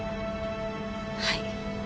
はい。